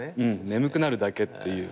眠くなるだけっていう。